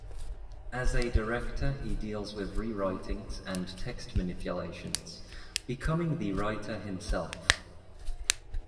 As a director he deals with rewritings and text manipulations, becoming the writer himself.